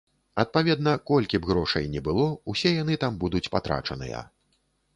Адпаведна, колькі б грошай ні было, усе яны там будуць патрачаныя.